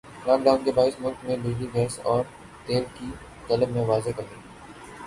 lock Dawn کے باعث ملک میں بجلی گیس اور تیل کی طلب میں واضح کمی